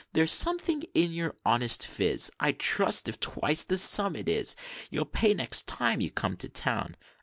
There's something in your honest phiz I'd trust, if twice the sum it is; You'll pay next time you come to town.'